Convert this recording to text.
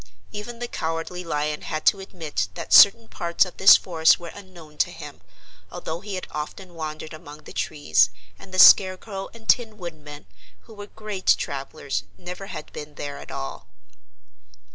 Even the Cowardly Lion had to admit that certain parts of this forest were unknown to him, although he had often wandered among the trees, and the Scarecrow and Tin Woodman, who were great travelers, never had been there at all.